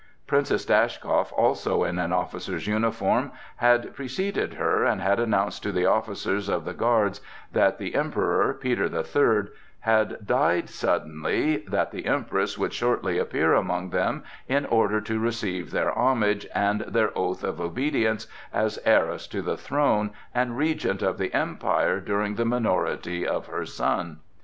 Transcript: Princess Dashkow, also in an officer's uniform, had preceded her, and had announced to the officers of the guards that the Emperor, Peter the Third, had died suddenly, that the Empress would shortly appear among them in order to receive their homage and their oath of obedience as heiress to the throne and Regent of the Empire during the minority of her son.